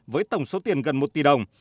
với tổng số tiền gần một tỷ đồng